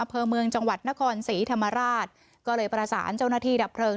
อำเภอเมืองจังหวัดนครศรีธรรมราชก็เลยประสานเจ้าหน้าที่ดับเพลิง